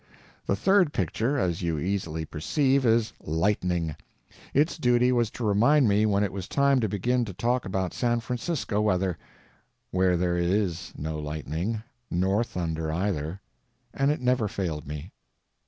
The third picture, as you easily perceive, is lightning; its duty was to remind me when it was time to begin to talk about San Francisco weather, where there IS no lightning—nor thunder, either—and it never failed me.